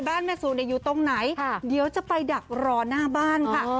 แม่สู่อยู่ตรงไหนเดี๋ยวจะไปดักรอหน้าบ้านค่ะ